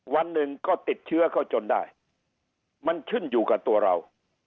วันหนึ่งก็ติดเชื้อเขาจนได้มันขึ้นอยู่กับตัวเรา